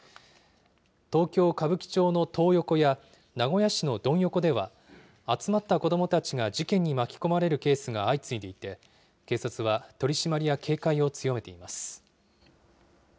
東京・歌舞伎町のトー横や、名古屋市のドン横では、集まった子どもたちが事件に巻き込まれるケースが相次いでいて、警察は取締りや警戒を強めています。